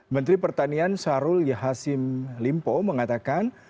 menteri pertanian sarul yahasim limpo mengatakan